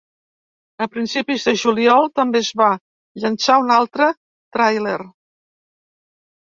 A principis de juliol també es va llançar un altre tràiler.